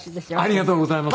ありがとうございます。